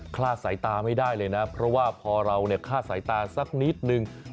ลาดสายตาไม่ได้เลยนะเพราะว่าพอเราคลาดสายตาสักนิดนึง